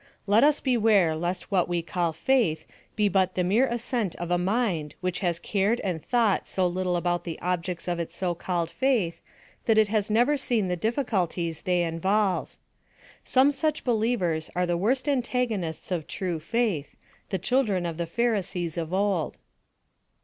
Let us beware lest what we call faith be but the mere assent of a mind which has cared and thought so little about the objects of its so called faith, that it has never seen the difficulties they involve. Some such believers are the worst antagonists of true faith the children of the Pharisees of old.